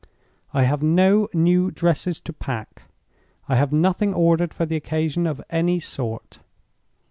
I have no new dresses to pack; I have nothing ordered for the occasion of any sort."